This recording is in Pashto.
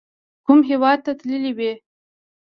کوم هیواد ته تللي وئ؟